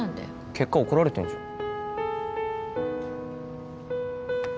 結果怒られてんじゃん